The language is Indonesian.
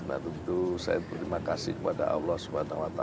nah tentu saya berterima kasih kepada allah swt